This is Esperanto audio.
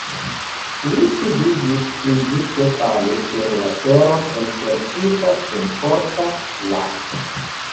Li sidiĝis, pli ĝuste falis sur la teron elĉerpita, senforta, laca.